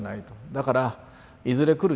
だからいずれ来る